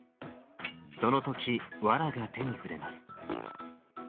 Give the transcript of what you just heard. その時わらが手に触れます。